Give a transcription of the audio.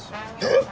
えっ？